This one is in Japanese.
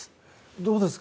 どうですか？